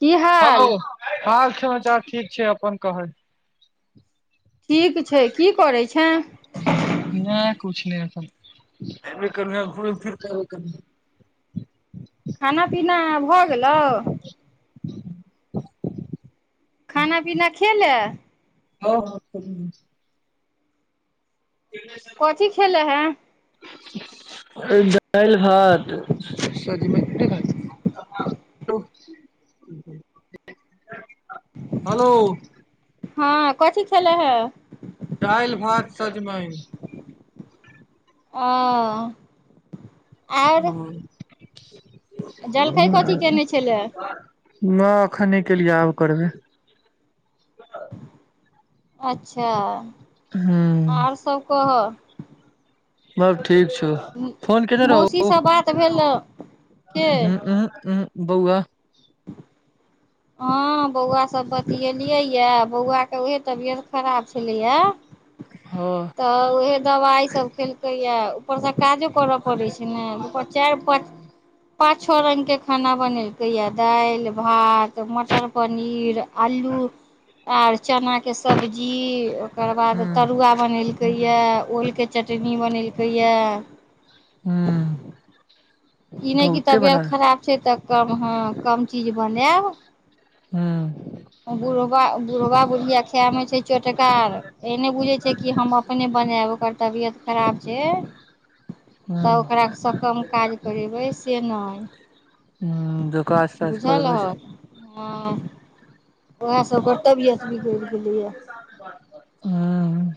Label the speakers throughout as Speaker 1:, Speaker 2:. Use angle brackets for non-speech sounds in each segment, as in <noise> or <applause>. Speaker 1: की
Speaker 2: hello
Speaker 1: हाल
Speaker 2: ह अचाचछा ठीक छै अपन कहल
Speaker 1: ठीक छै की करै छ
Speaker 2: कर फिर क कर
Speaker 1: खाना पीना भऽ गेलहु खाना पीना खेले
Speaker 2: ह ह
Speaker 1: कथी खेल हैं
Speaker 2: एकद कालि भात त जीमे हलो
Speaker 1: हँ कथी खेल है
Speaker 2: सजमै
Speaker 1: ओ आर
Speaker 2: हँ
Speaker 1: जलखै कथी
Speaker 2: ह
Speaker 1: केने छलै
Speaker 2: न एखने केलियए आब करबै
Speaker 1: अच्छा
Speaker 2: हूँ
Speaker 1: आर सब कह
Speaker 2: बब ठीक छौ फोन केने रहू
Speaker 1: मौसीसँ बात भेल के
Speaker 2: ह उ उ बौआ
Speaker 1: ह बौआ सब बतेलिय ये बौआ के उहे तबियत खराब छलैया
Speaker 2: हँ
Speaker 1: तऽ उएहे दबाइसभ खेलकैए ऊपरसँ काजो करय पड़ै छै ने दुपर चारि पाँच पाचो रङ्गके खाना बनेलकैया दालि भात मटर पनीर आलू आर चनाके सब्जी ओकर बाद
Speaker 2: हूँ
Speaker 1: तरुआ बनेलकै यऽ ओल के चटनी बनेलकै यए
Speaker 2: हँ
Speaker 1: ई नहि कि तबियत खराब छै तऽ कम हँ कम चीज बनेब
Speaker 2: हँ
Speaker 1: बुढ़बा बुढ़बा बुढ़िया खायमे छै चोटका एने बुझै छै कि हम अपने बनायब ओकर तबियत खराब छै
Speaker 2: हूँ
Speaker 1: तऽ ओकासँ कम काज करेबै से नहि
Speaker 2: जे कास तास
Speaker 1: बुझल
Speaker 2: करबै छै
Speaker 1: उएहसभके तबियत बिगड़ि गेलैए
Speaker 2: हूँ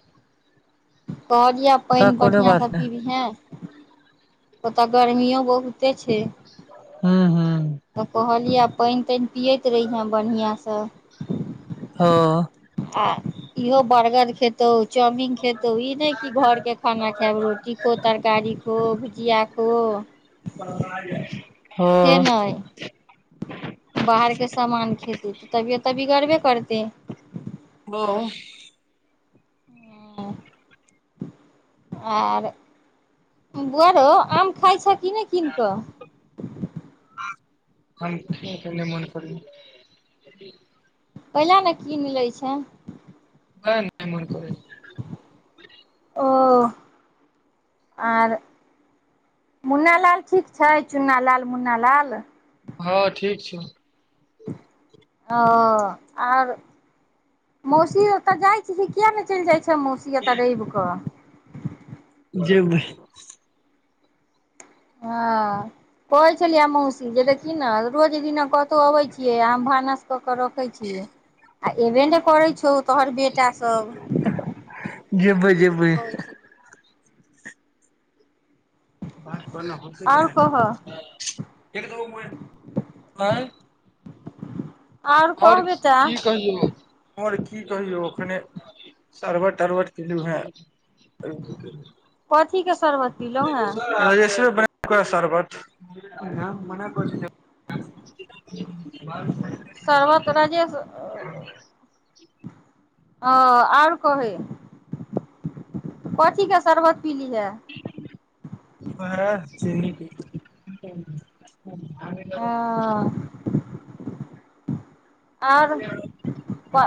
Speaker 1: कहलिह
Speaker 2: का
Speaker 1: पानि
Speaker 2: कोनो बात
Speaker 1: बढ़िआँसँ
Speaker 2: नहि
Speaker 1: पीबिहे ओतऽ गर्मीो बहुते छै
Speaker 2: हू हू
Speaker 1: बझ पानि तानि पियैत रहिहेँ बढ़िआँसँ
Speaker 2: हँ
Speaker 1: आ इहो बर्गर खेतहु चाउमिन खेतहु ई नहि कि घरके खाना खायब रोटी खो तरकारी खो भुजिया खो से
Speaker 2: हँ
Speaker 1: नहि बाहरके सामान खेती तऽ तबियत तऽ बि गड़बे करतै
Speaker 2: ह
Speaker 1: ह आ बुआरो आम खाइ छ कि नहि कीन कऽ <inaudible>
Speaker 2: हम कने मन कर
Speaker 1: कयिला ने कीन लै छै
Speaker 2: नहि नहि मन करै
Speaker 1: ओ आर मुना लाल ठीक छै चूना लाल मुना लाल
Speaker 2: हँ ठीक छै
Speaker 1: ओ आर मौसी ओतऽ जाइ छी से कििया ने चलि जाइ छै मूसिया त ई बुक
Speaker 2: जेबै
Speaker 1: हँ कोइ छललिय म सीज देखि न रूजी द कतहु अबै छियै आम भानस कऽ के रखे छीियै आ एबे ने करै छौ तोहर बेटा सब
Speaker 2: जेबै जेबै बात कर हो
Speaker 1: आओर कह
Speaker 2: कर आओर
Speaker 1: कह बेटा
Speaker 2: की कहियौ आओर की कहियौ ओखने सरवट तरबट केलु हेँ
Speaker 1: पथी के शरबत पिलौ है
Speaker 2: राजेशवे शरबत म
Speaker 1: शरबत राजेश
Speaker 2: ह
Speaker 1: ओ आओर कहे पथ के सर्
Speaker 2: हँ चिनी ह
Speaker 1: ह आर प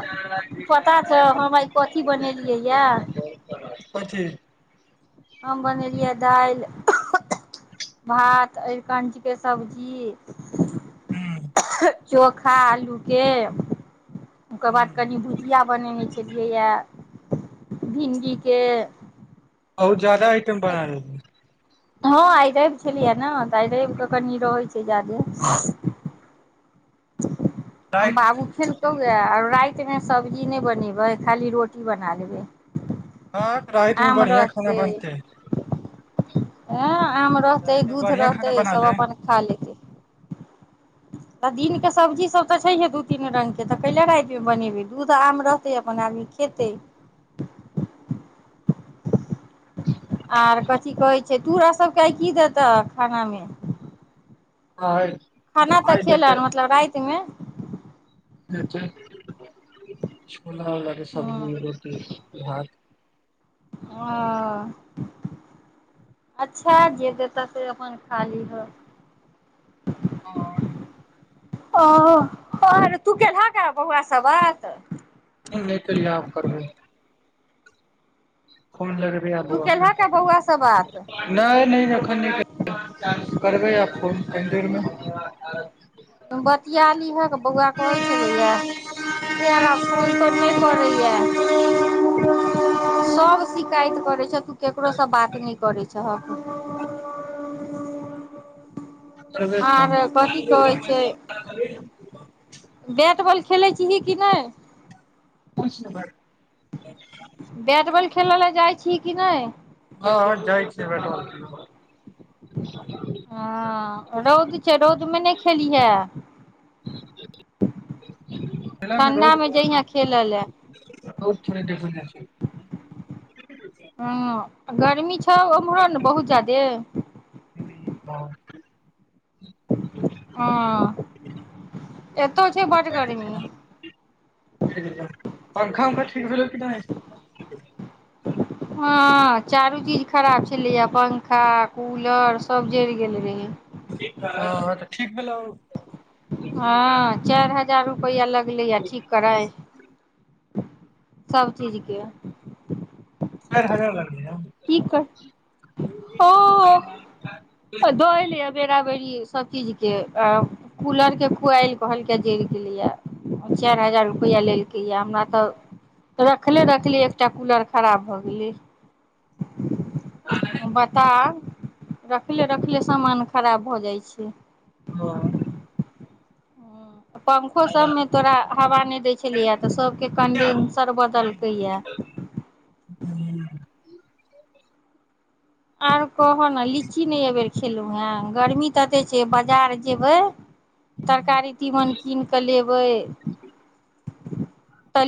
Speaker 1: पता छौ हम आइ कथी बनेलियै यए
Speaker 2: कथी
Speaker 1: हम बनेलियै दालि भात अर कञचके सब्जी
Speaker 2: हूँ
Speaker 1: <inaudible> चोखा आलूके ओकर बाद
Speaker 2: हूँ
Speaker 1: कनि भुजिया बनेने छलियैए भिणडीके
Speaker 2: आओ जाददा आइटम बना देै
Speaker 1: हँ आइ रवि छलियै ने तऽ आइ रविके कनि रहै छै जा्यदे
Speaker 2: राइत मे
Speaker 1: बाबू खेल क यर र एतमे सब्जी नहि बनेबै खाली रोटी बना लेबै
Speaker 2: हँ राइत मे
Speaker 1: आम
Speaker 2: बढ़िया खाना
Speaker 1: रहतै
Speaker 2: बनतै
Speaker 1: हँ आम रहतै
Speaker 2: राइत मे
Speaker 1: दूध
Speaker 2: बढ़िया खाना
Speaker 1: रहतै
Speaker 2: बना
Speaker 1: सभ
Speaker 2: ले
Speaker 1: अपन खा लेतै तऽ दिनके सब्जीसभ तऽ छैहे दू तीन रङ्गके तऽ कैल रातिमे बनेबै दूध आम रहतै अपन आदमी खेतै आर कथिी कहै छै तूरा सबकेइ की देताह खानामे
Speaker 2: आय
Speaker 1: खाना तऽ खेल मतलब राति मे
Speaker 2: अचछा
Speaker 1: हूँ
Speaker 2: सब्जी रोट भात
Speaker 1: ओ अच्छा जे देताह से अपन खा लीहऽ
Speaker 2: आ
Speaker 1: ओ आर तू केेलह ग बौआ सब बात
Speaker 2: नहि तो यब करबे ह फोन लगेबै आब बौ
Speaker 1: केलह का बौआसँ बात
Speaker 2: नहि नहि एखन करबै आ फोन कनि देरमे
Speaker 1: बतिया लिह के बौआ कहै छलै या फन त नहि करैया सब शिकायत करै छ ककरोसँ बात नहि करै छहक आर कथी कहै छै बैट बॉल
Speaker 2: करब
Speaker 1: खेलै छीही कि नहि
Speaker 2: पच नगर
Speaker 1: बैट बॉल खेलय लए जाइ छी किी नहि
Speaker 2: हँ जाइके छैटल
Speaker 1: हँ रौद छै रौदमे नहि खेलिहे
Speaker 2: मेला मे रौद
Speaker 1: ठण्ढामे जहिहेँ खेल लए
Speaker 2: रौद थोड़े देखल जाइ
Speaker 1: हँ गर्मी छै उम्हरो ने बहुत जादे
Speaker 2: छै
Speaker 1: ह एतहु छै बड गर्मी
Speaker 2: पंखा वंखा ठीक भेल कि नहि
Speaker 1: हँ चारू चीज खराब छलैएा पंखा कूलर सब जरि गेल रहै
Speaker 2: ह तऽ ठीक भेल
Speaker 1: हँ चारि हजार रुप कोइ अलग ल य ठीक करए सभचीजके
Speaker 2: सर ह
Speaker 1: की कर ओ दोल बेराबरी सब चीज के आ कूलर के कोुइल कहलके जरि गेलैया चारि हजार रुपआ लेलक हमरा तऽ रखले रखली एकटा कूलर खराब भऽ गेली बता रखले रखले सामान खराब भऽ जाइ छै
Speaker 2: हँ
Speaker 1: पंखो सभमे तोरा हवा नहि दै छलियया तऽ सभके कंडेन्सर बदलकैएा आरो कहौ ने लीची नहि एहिबेर खेलहुँ हेँ गर्मी त एते छै बाजार जेबै तरकारी तीमन कीन कऽ लेब व ऽ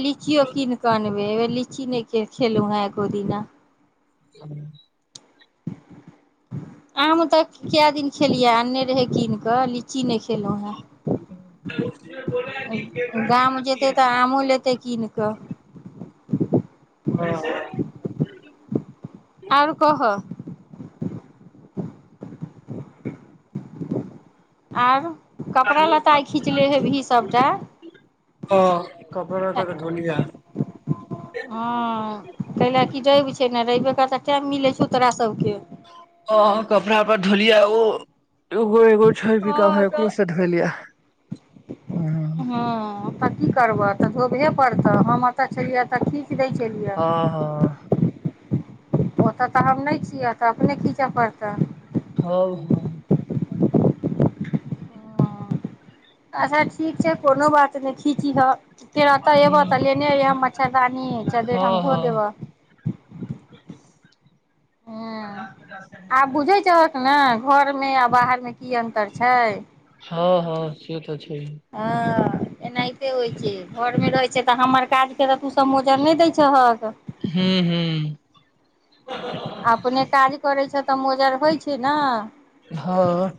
Speaker 1: लीचियो कीनऽनब लीची नहि खेलू हा एकगो दिना
Speaker 2: ह
Speaker 1: आम तऽ क दिन खेलियै आने रहे कीन कऽ लीची नहि केलहु हेँ गाम जेतै तऽ आमो लेतै कीन कऽ
Speaker 2: ह
Speaker 1: आओर कह आर कपड़ा ल्ताइ खीचले हे भी सबटा
Speaker 2: हँ कपड़ा लत्ता
Speaker 1: ह
Speaker 2: के धोलिया
Speaker 1: कै ल क र छै ने र कतऽ टाइम मिले छौ तोरा सब
Speaker 2: ओ कपड़ा पर ढोलिया ओ एगो एगो छ बिका
Speaker 1: हँ तऽ
Speaker 2: भो से धलिया ह
Speaker 1: हँ तऽ की करबह तऽ धोबहे पड़तऽ हम एतऽ छलियै एतऽ की स छलियै
Speaker 2: हँ हँ
Speaker 1: ओतय तऽ हम नहि छियै तऽ अपने खीचय पड़तै
Speaker 2: ह ह
Speaker 1: पड़तऽ अच्छा ठीक छै कोनो बात नहि खीचीहऽ केतऽ अबह तऽ लेने अह मच्छरदानी च देर हम
Speaker 2: हँ
Speaker 1: धो
Speaker 2: हँ
Speaker 1: देबह ह आब बुझैत छक ने घर आ बाहर मे की अन्तर छै
Speaker 2: हँ हँ से अछा
Speaker 1: हँ एनाहिते होइत छै घरमे रहैत छै तऽ हमर काजके तऽ तोसभ मोजर नहि दैत छहक
Speaker 2: ह
Speaker 1: अपने काज करैत छ तऽ मोजर होइ छै ने
Speaker 2: हँ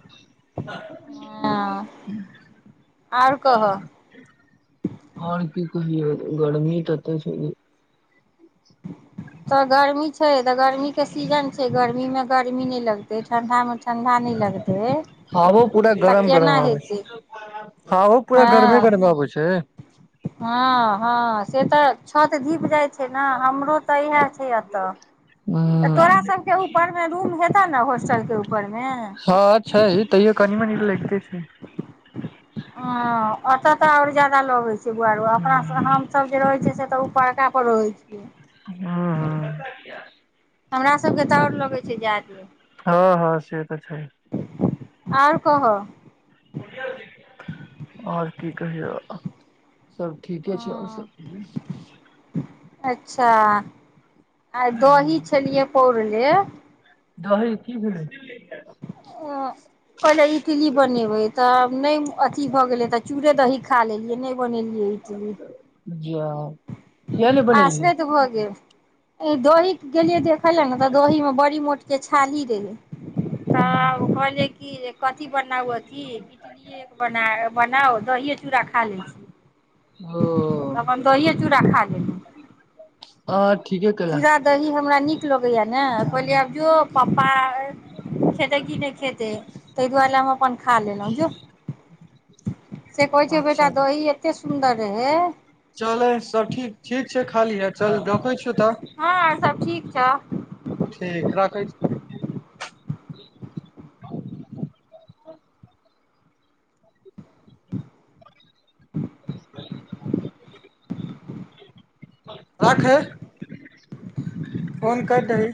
Speaker 1: हँ आर कह
Speaker 2: गरमी ततै छै
Speaker 1: तऽ गर्मी छै तऽ गर्मीक के सीजन छै गर्मीमे गर्मी नहि लगते ठंडा मे ठण्डा नहि लगतै
Speaker 2: हवो पूरा
Speaker 1: तऽ
Speaker 2: गरम गरम
Speaker 1: केना
Speaker 2: आबै छै
Speaker 1: हेतै
Speaker 2: हँ ओ पूरा गर्मे
Speaker 1: हँ
Speaker 2: गरमे अबै छै
Speaker 1: हँ हँ से तऽ छत दीप जाइ छै ने हमरो तऽ इएह छै एतऽ तऽ तोरा सबके ऊपर मे रूम हेत ने होॉस्टल के ऊपर
Speaker 2: हँ छै तैयो कनि मनी लगिते छै
Speaker 1: ह ओतऽ तऽ आओर जदा लोग छै छुआरू अपना
Speaker 2: हूँ
Speaker 1: हमसभब जे रहै छियै से तऽ पड़कााप होइ छै
Speaker 2: हँ हँ
Speaker 1: हमरा सभके द आर लगैत छै जा्यदे
Speaker 2: हँ हँ से तऽ छै
Speaker 1: आओर कह
Speaker 2: आओर की कहिौ सभ ठीके छै आओर सभ
Speaker 1: अच्छा आइ दही छलियै पौरण जे
Speaker 2: दही की भेलीड़
Speaker 1: ओ पहिले इडली बनेबै तऽ नहि अथी भऽ गेलै तऽ चूड़े दही खा लेलियै बनेलियै इटली
Speaker 2: जी
Speaker 1: आसब त हो गेल ए दो ही गेलियै देखे लए तऽ दहिं बड़ी मो के छाली रहै तऽ ओ कहल की एक कथिी बनाउ अथिी इडलीए बना बनाउ दऽ चूड़ खा ले छी
Speaker 2: ओ
Speaker 1: त अपन दहि खा ले
Speaker 2: हँ ठीके केला
Speaker 1: सीधा दही हमरा नीक लगैया ने कहली आब जो प्पा खेते कि नहि खेते ताहि दुआरे हम अपन खा लेलहुँं जो से कह छै बेैटा दहि एते सुन्दर रहै
Speaker 2: चले सब ठीक ठीक छै खाली है चल रखै छी
Speaker 1: हँ सब ठीक च
Speaker 2: ठीक राखै छी राख ह फोन कर दी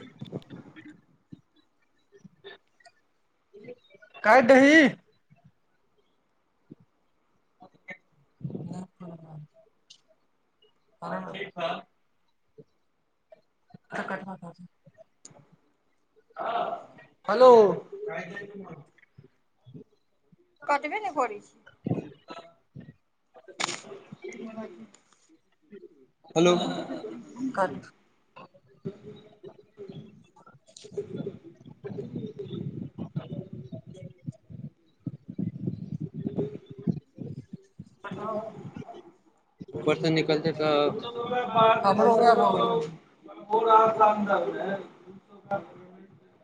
Speaker 2: क दही ह हेलो <inaudible>
Speaker 1: कटब ने कर वाह ई बात
Speaker 2: कत
Speaker 1: <inaudible> परसँ निकलते तऽ
Speaker 2: हमरो वएह भऽ गेल
Speaker 1: <unintelligible> र आस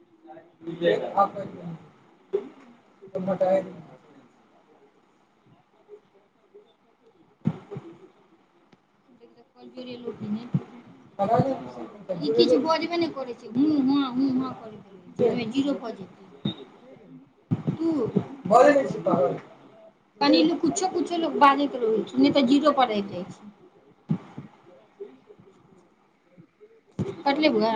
Speaker 1: <unintelligible> किछु बजबे नहि करै छै ह ह ह ह जीरो क कुछो कुछो बाजैत रहै छै नहि तऽ जीरो पैत जा छै कटल बुआ